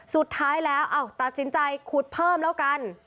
สุดท้ายแล้วตัดสินใจขุดเพิ่มแล้วกัน